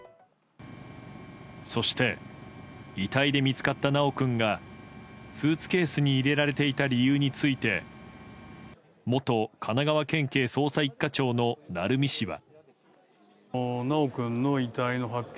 そして遺体で見つかった修君がスーツケースに入れられていた理由について元神奈川県警捜査１課長の鳴海氏は。